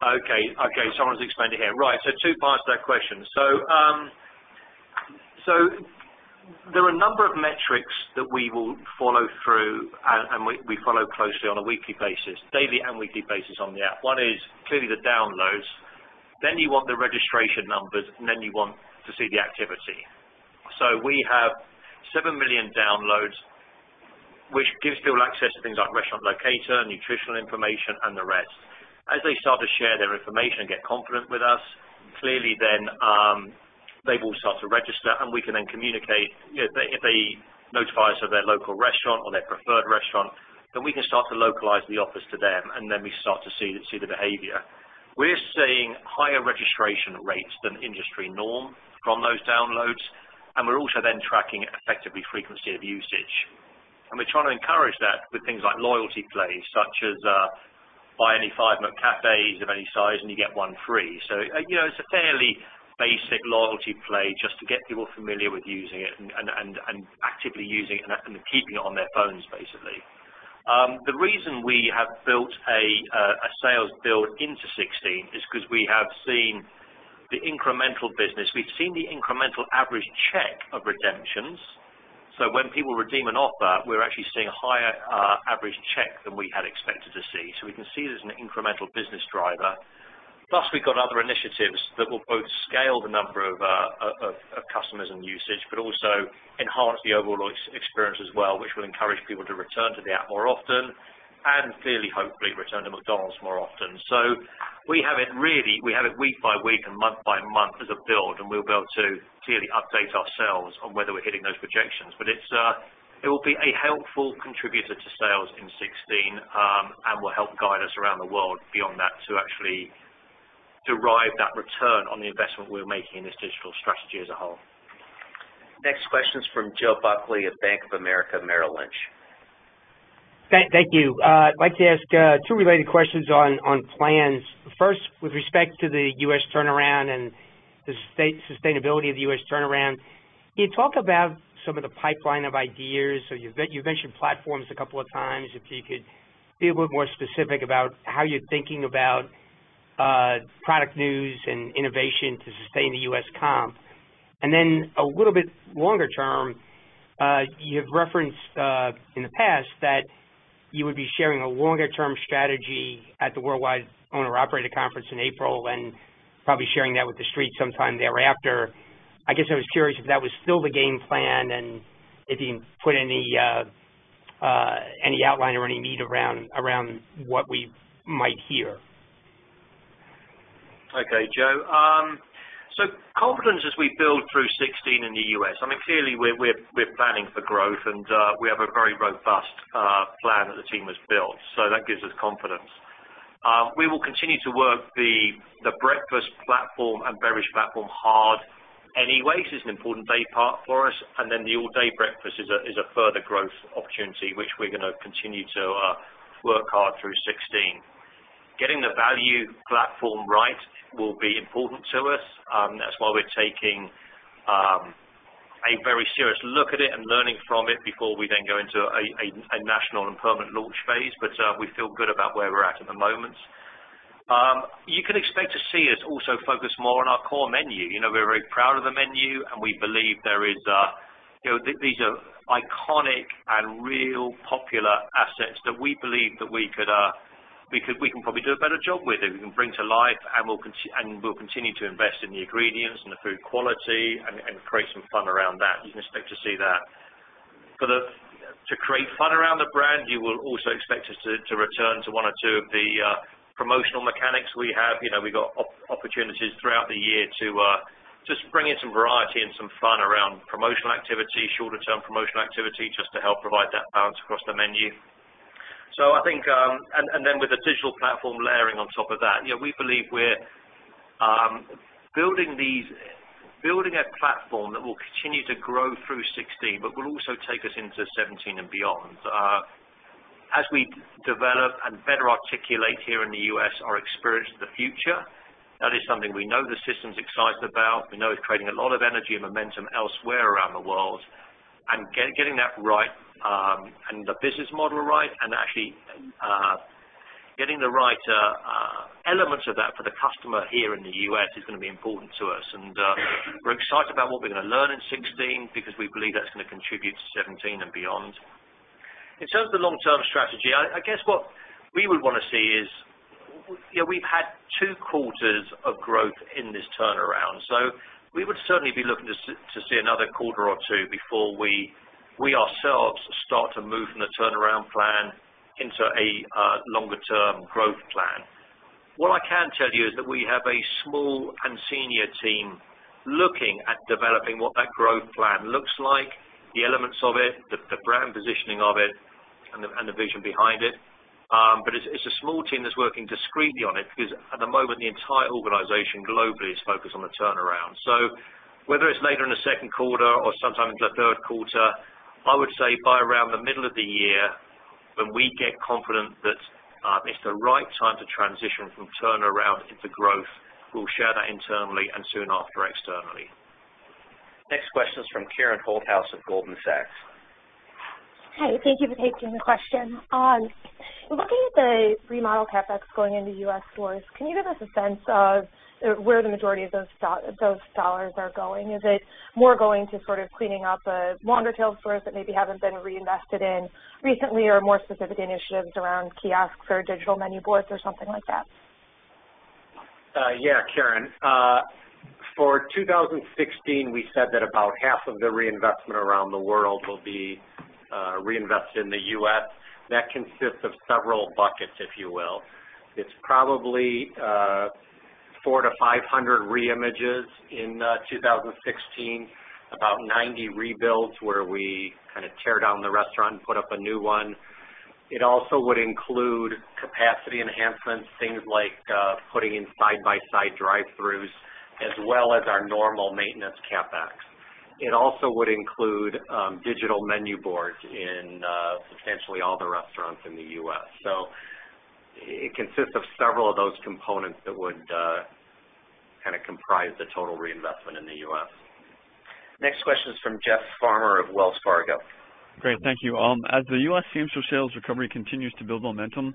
S4: Why conviction for including
S3: Okay. Someone's explained it here. Right. Two parts to that question. There are a number of metrics that we will follow through, and we follow closely on a daily and weekly basis on the app. One is clearly the downloads. You want the registration numbers, and then you want to see the activity. We have 7 million downloads, which gives people access to things like restaurant locator, nutritional information, and the rest. As they start to share their information and get confident with us, clearly then they will start to register, and we can then communicate. If they notify us of their local restaurant or their preferred restaurant, then we can start to localize the offers to them, and then we start to see the behavior. We're seeing higher registration rates than industry norm from those downloads, and we're also then tracking effectively frequency of usage. We're trying to encourage that with things like loyalty plays, such as buy any five McCafé of any size and you get one free. It's a fairly basic loyalty play just to get people familiar with using it and actively using it and keeping it on their phones, basically. The reason we have built a sales build into 2016 is because we have seen the incremental business. We've seen the incremental average check of redemptions. When people redeem an offer, we're actually seeing a higher average check than we had expected to see. We can see it as an incremental business driver. Plus, we've got other initiatives that will both scale the number of customers and usage, but also enhance the overall experience as well, which will encourage people to return to the app more often, and clearly, hopefully, return to McDonald's more often. We have it week by week and month by month as a build, and we'll be able to clearly update ourselves on whether we're hitting those projections. It will be a helpful contributor to sales in 2016, and will help guide us around the world beyond that to actually derive that return on the investment we're making in this digital strategy as a whole.
S2: Next question is from Joseph Buckley of Bank of America Merrill Lynch.
S13: Thank you. I'd like to ask two related questions on plans. First, with respect to the U.S. turnaround and the sustainability of the U.S. turnaround. Can you talk about some of the pipeline of ideas? You've mentioned platforms a couple of times. If you could be a little more specific about how you're thinking about product news and innovation to sustain the U.S. comp. A little bit longer term, you have referenced in the past that you would be sharing a longer-term strategy at the Worldwide Owner Operator Conference in April and probably sharing that with The Street sometime thereafter. I guess I was curious if that was still the game plan and if you can put any outline or any meat around what we might hear.
S3: Okay, Joe. Confidence as we build through 2016 in the U.S., clearly we're planning for growth, and we have a very robust plan that the team has built. That gives us confidence. We will continue to work the breakfast platform and beverage platform hard anyway, because it's an important day part for us, and the all-day breakfast is a further growth opportunity, which we're going to continue to work hard through 2016. Getting the value platform right will be important to us. That's why we're taking a very serious look at it and learning from it before we go into a national and permanent launch phase, we feel good about where we're at at the moment. You can expect to see us also focus more on our core menu. We're very proud of the menu, and we believe these are iconic and really popular assets that we believe that we can probably do a better job with, that we can bring to life, and we'll continue to invest in the ingredients and the food quality and create some fun around that. You can expect to see that. To create fun around the brand, you will also expect us to return to one or two of the promotional mechanics we have. We got opportunities throughout the year to just bring in some variety and some fun around promotional activity, shorter-term promotional activity, just to help provide that balance across the menu. With the digital platform layering on top of that, we believe we're building a platform that will continue to grow through 2016, will also take us into 2017 and beyond. As we develop and better articulate here in the U.S. our Experience of the Future, that is something we know the system's excited about. We know it's creating a lot of energy and momentum elsewhere around the world. Getting that right and the business model right and actually getting the right elements of that for the customer here in the U.S. is going to be important to us. We're excited about what we're going to learn in 2016 because we believe that's going to contribute to 2017 and beyond. In terms of the long-term strategy, I guess what we would want to see is, we've had two quarters of growth in this turnaround. We would certainly be looking to see another quarter or two before we ourselves start to move from the turnaround plan into a longer-term growth plan. What I can tell you is that we have a small and senior team looking at developing what that growth plan looks like, the elements of it, the brand positioning of it, and the vision behind it. It is a small team that is working discreetly on it because, at the moment, the entire organization globally is focused on the turnaround. Whether it is later in the second quarter or sometime into the third quarter, I would say by around the middle of the year, when we get confident that it is the right time to transition from turnaround into growth, we will share that internally and soon after externally.
S2: Next question is from Karen Holthouse of Goldman Sachs.
S14: Hi, thank you for taking the question. In looking at the remodel CapEx going into U.S. stores, can you give us a sense of where the majority of those dollars are going? Is it more going to sort of cleaning up longer tail stores that maybe haven't been reinvested in recently, or more specific initiatives around kiosks or digital menu boards or something like that?
S2: Yeah, Karen. For 2016, we said that about half of the reinvestment around the world will be reinvested in the U.S. That consists of several buckets, if you will. It is probably 400 to 500 reimages in 2016, about 90 rebuilds where we kind of tear down the restaurant and put up a new one. It also would include capacity enhancements, things like putting in side-by-side drive-throughs as well as our normal maintenance CapEx. It also would include digital menu boards in essentially all the restaurants in the U.S. It consists of several of those components that would kind of comprise the total reinvestment in the U.S. Next question is from Jeff Farmer of Wells Fargo.
S15: Great. Thank you. As the U.S. same-store sales recovery continues to build momentum,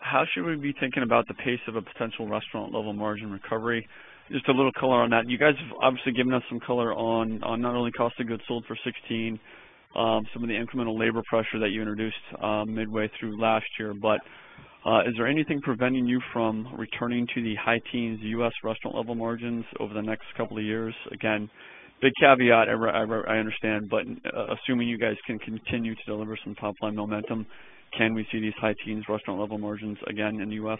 S15: how should we be thinking about the pace of a potential restaurant-level margin recovery? Just a little color on that. You guys have obviously given us some color on not only cost of goods sold for 2016, some of the incremental labor pressure that you introduced midway through last year. Is there anything preventing you from returning to the high teens U.S. restaurant-level margins over the next couple of years? Again, big caveat, I understand, assuming you guys can continue to deliver some top-line momentum, can we see these high teens restaurant-level margins again in the U.S.?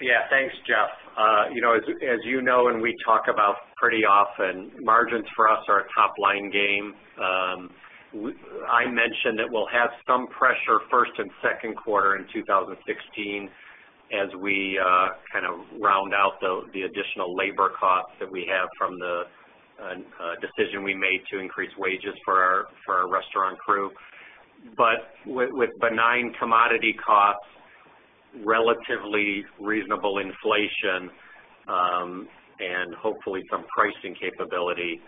S4: Yeah. Thanks, Jeff. As you know and we talk about pretty often, margins for us are a top-line game. I mentioned that we'll have some pressure first and second quarter in 2016 as we kind of round out the additional labor costs that we have from the decision we made to increase wages for our restaurant crew. With benign commodity costs, relatively reasonable inflation, and hopefully some pricing capability,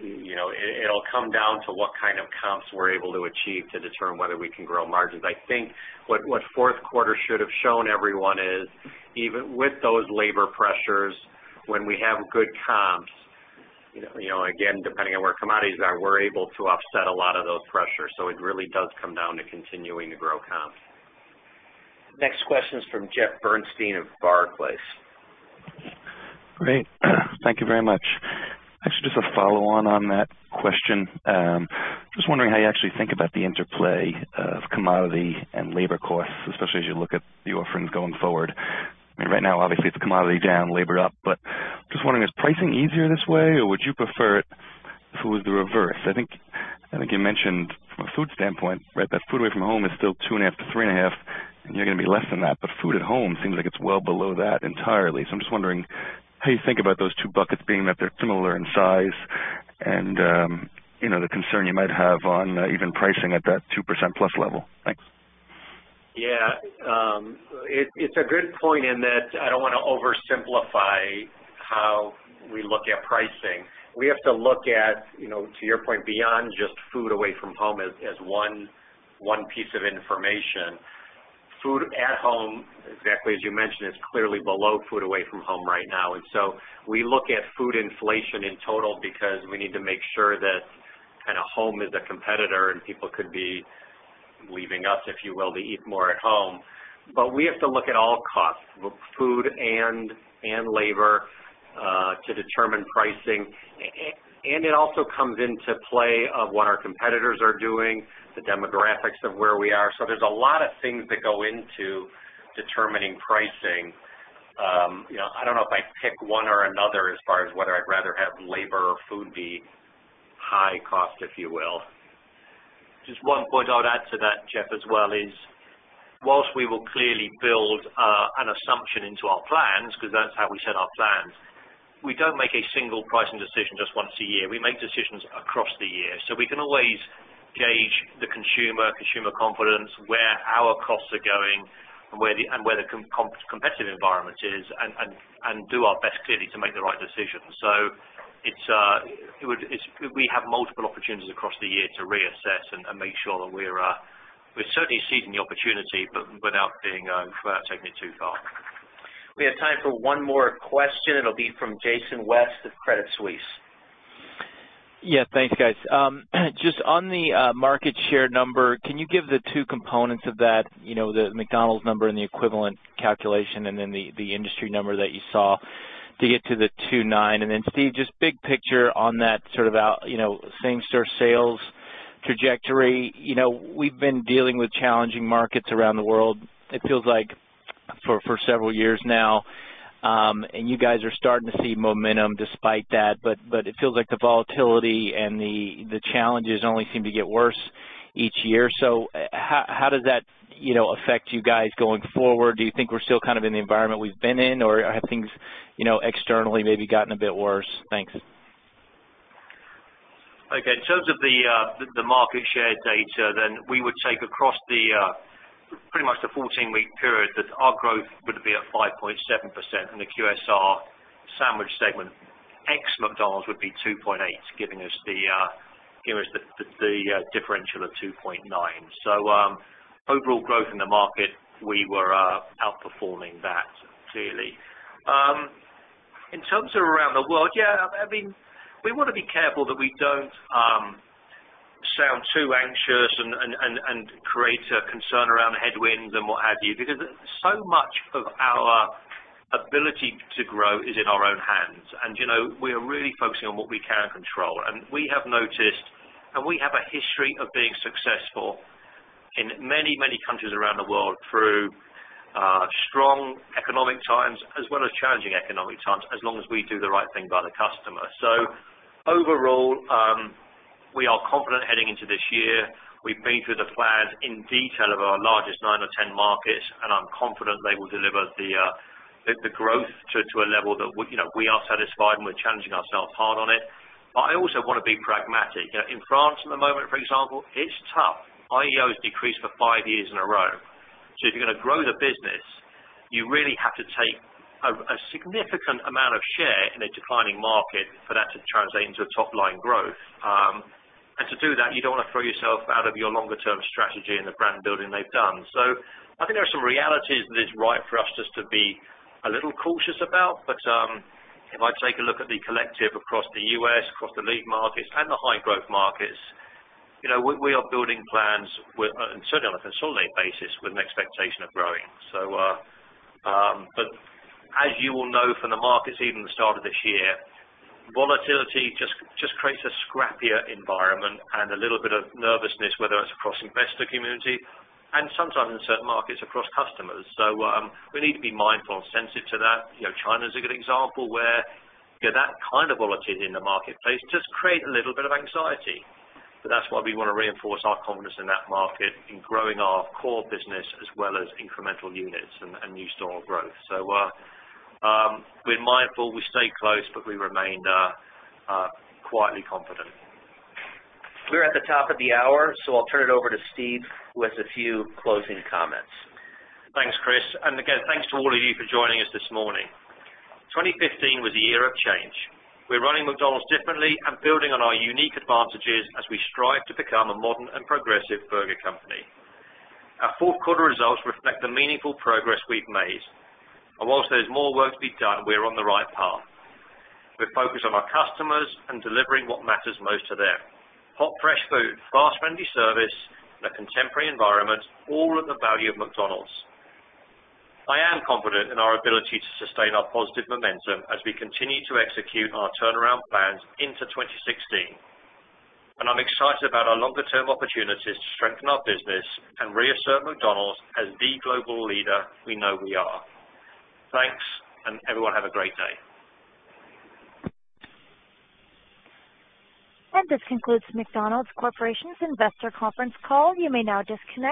S4: it'll come down to what kind of comps we're able to achieve to determine whether we can grow margins. I think what fourth quarter should have shown everyone is, even with those labor pressures, when we have good comps, again, depending on where commodities are, we're able to offset a lot of those pressures. It really does come down to continuing to grow comps.
S2: Next question is from Jeffrey Bernstein of Barclays.
S16: Great. Thank you very much. Actually, just a follow-on on that question. Just wondering how you actually think about the interplay of commodity and labor costs, especially as you look at the offerings going forward. I mean, right now, obviously, it's commodity down, labor up, just wondering, is pricing easier this way, or would you prefer it if it was the reverse? I think you mentioned from a food standpoint, right, that food away from home is still 2.5% to 3.5%, and you're going to be less than that, food at home seems like it's well below that entirely. I'm just wondering how you think about those two buckets being that they're similar in size and the concern you might have on even pricing at that 2%+ level. Thanks.
S4: Yeah, it's a good point in that I don't want to oversimplify how we look at pricing. We have to look at, to your point, beyond just food away from home as one piece of information. Food at home, exactly as you mentioned, is clearly below food away from home right now. We look at food inflation in total because we need to make sure that kind of home is a competitor and people could be leaving us, if you will, to eat more at home. We have to look at all costs, both food and labor, to determine pricing. It also comes into play of what our competitors are doing, the demographics of where we are. There's a lot of things that go into determining pricing. I don't know if I'd pick one or another as far as whether I'd rather have labor or food be high cost, if you will.
S3: Just one point I would add to that, Jeff, as well is whilst we will clearly build an assumption into our plans, because that's how we set our plans, we don't make a single pricing decision just once a year. We make decisions across the year. We can always gauge the consumer confidence, where our costs are going, and where the competitive environment is and do our best, clearly, to make the right decision. We have multiple opportunities across the year to reassess and make sure that we're certainly seizing the opportunity, but without taking it too far.
S2: We have time for one more question. It'll be from Jason West at Credit Suisse.
S17: Yeah. Thanks, guys. Just on the market share number, can you give the 2 components of that, the McDonald's number and the equivalent calculation, and then the industry number that you saw to get to the 2.9? Steve, just big picture on that sort of same store sales trajectory. We've been dealing with challenging markets around the world, it feels like for several years now. You guys are starting to see momentum despite that, but it feels like the volatility and the challenges only seem to get worse each year. How does that affect you guys going forward? Do you think we're still kind of in the environment we've been in, or have things externally maybe gotten a bit worse? Thanks.
S3: Okay. In terms of the market share data, we would take across pretty much the 14-week period that our growth would be at 5.7% in the QSR sandwich segment, ex McDonald's would be 2.8, giving us the differential of 2.9. Overall growth in the market, we were outperforming that, clearly. In terms of around the world, yeah, I mean, we want to be careful that we don't sound too anxious and create a concern around headwinds and what have you, because so much of our ability to grow is in our own hands. We are really focusing on what we can control. We have noticed, and we have a history of being successful in many, many countries around the world through strong economic times as well as challenging economic times, as long as we do the right thing by the customer. Overall, we are confident heading into this year. We've been through the plans in detail of our largest 9 or 10 markets, and I'm confident they will deliver the growth to a level that we are satisfied, and we're challenging ourselves hard on it. I also want to be pragmatic. In France at the moment, for example, it's tough. IEO has decreased for 5 years in a row. If you're going to grow the business, you really have to take a significant amount of share in a declining market for that to translate into a top-line growth. To do that, you don't want to throw yourself out of your longer term strategy and the brand building they've done. I think there are some realities that is right for us just to be a little cautious about. If I take a look at the collective across the U.S., across the International Lead Markets and the High-Growth Markets, we are building plans, and certainly on a consolidated basis, with an expectation of growing. As you will know from the markets, even the start of this year, volatility just creates a scrappier environment and a little bit of nervousness, whether it's across investor community and sometimes in certain markets across customers. We need to be mindful and sensitive to that. China is a good example where that kind of volatility in the marketplace does create a little bit of anxiety. That's why we want to reinforce our confidence in that market in growing our core business as well as incremental units and new store growth. We're mindful, we stay close, but we remain quietly confident.
S2: We're at the top of the hour, I'll turn it over to Steve with a few closing comments.
S3: Thanks, Chris. Again, thanks to all of you for joining us this morning. 2015 was a year of change. We're running McDonald's differently and building on our unique advantages as we strive to become a modern and progressive burger company. Our fourth quarter results reflect the meaningful progress we've made. Whilst there's more work to be done, we're on the right path. We're focused on our customers and delivering what matters most to them. Hot, fresh food, fast, friendly service, and a contemporary environment, all at the value of McDonald's. I am confident in our ability to sustain our positive momentum as we continue to execute our turnaround plans into 2016. I'm excited about our longer term opportunities to strengthen our business and reassert McDonald's as the global leader we know we are. Thanks, and everyone have a great day.
S1: This concludes McDonald's Corporation's Investor Conference call. You may now disconnect.